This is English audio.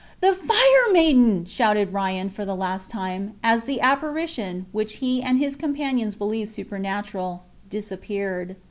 "The Fire Maiden!" shouted Ryan, for the last time, as the apparition, which he and his companions believed supernatural, disappeared.